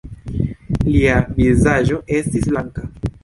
Lia vizaĝo estis blanka.